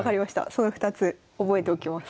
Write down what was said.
その２つ覚えておきます。